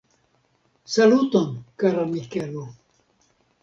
Saluton kara Mikelo!